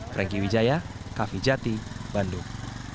franky wijaya kavijati bandung